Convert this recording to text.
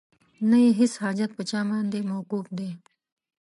نه یې هیڅ حاجت په چا باندې موقوف دی